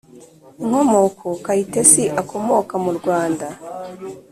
inkomoko: kayitesi akomoka murwanda